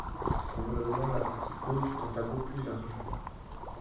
C’est probablement la partie gauche d’un tableau plus large.